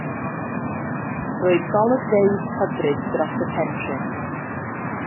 Roedd golygfeydd hyfryd dros y penrhyn.